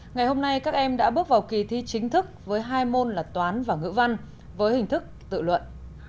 ngày hôm nay các em đã bước vào kỳ thi chính thức với hai môn là toán và ngữ văn với hình thức tự luận